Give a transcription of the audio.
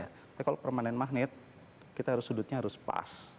tapi kalau permanen magnet kita harus sudutnya harus pas